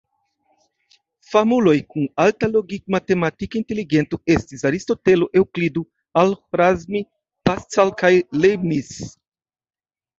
Famuloj kun alta logik-matematika inteligento estis: Aristotelo, Eŭklido, Al-Ĥorazmi, Pascal kaj Leibniz.